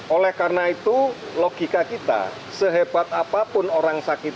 oleh karena itu logika kita sehebat apapun orang sakit